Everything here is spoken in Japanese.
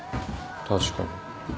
確かに。